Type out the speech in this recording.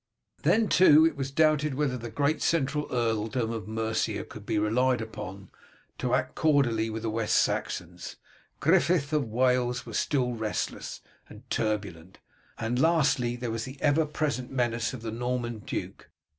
Then, too, it was doubtful whether the great central earldom of Mercia could be relied upon to act cordially with the West Saxons; Griffith of Wales was still restless and turbulent; and lastly, there was the ever present menace of the Norman duke.